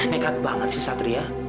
nekat banget si satria